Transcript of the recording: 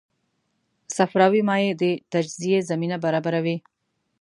صفراوي مایع د تجزیې زمینه برابروي.